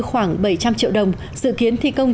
khoảng bảy trăm linh triệu đồng dự kiến thi công